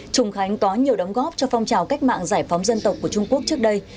trùng khánh có nhiều đóng góp cho phong trào cách mạng giải phóng dân tộc của trung quốc trước đây